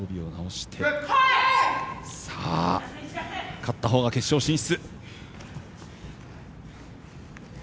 勝ったほうが決勝進出。